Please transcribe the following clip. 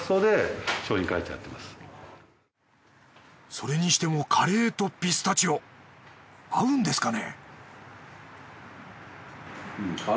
それにしてもカレーとピスタチオ合うんですかね？